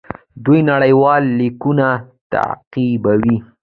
دوی نړیوال لیګونه تعقیبوي.